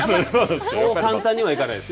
そう簡単にはいかないです。